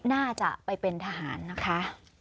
น่าจะไปเป็นทหารนะคะ